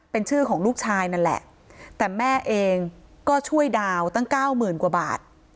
เป็นชื่อของลูกชายนั่นแหละแต่แม่เองก็ช่วยดาวตั้งเก้าหมื่นกว่าบาท